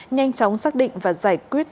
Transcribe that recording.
nhanh chóng xác định và giải quyết